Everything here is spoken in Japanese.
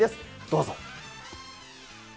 どうぞ。